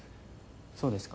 そうですか。